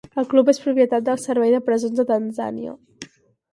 El club és propietat del Servei de Presons de Tanzània.